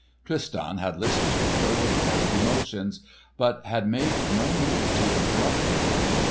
Tristan had listened to her with varied emotions, but had made no move to interrupt her.